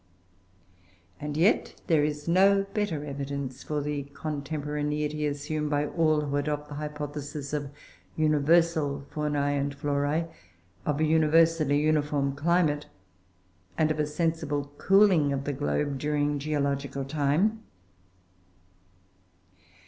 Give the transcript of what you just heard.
And yet there is no better evidence for the contemporaneity assumed by all who adopt the hypothesis of universal faunae and florae, of a universally uniform climate, and of a sensible cooling of the globe during geological time.